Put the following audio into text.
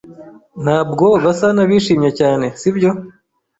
Ntabwo basa n'abishimye cyane, sibyo?